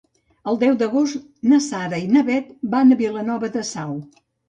El deu d'agost na Sara i na Bet van a Vilanova de Sau.